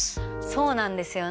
そうなんですよね。